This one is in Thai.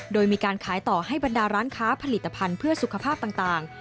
โดยมีการขายต่อให้บรรดาร้านค้าผลิตภัณฑ์เพื่อสุขภาพต่าง